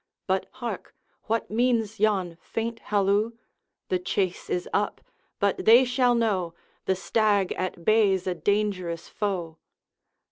But hark! what means yon faint halloo? The chase is up, but they shall know, The stag at bay 's a dangerous foe.'